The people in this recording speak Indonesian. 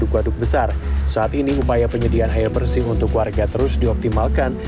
di waduk besar saat ini upaya penyediaan air bersih untuk warga terus dioptimalkan